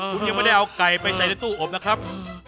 คุณยังไม่ได้เอาไก่ไปใส่ในตู้อบนะครับ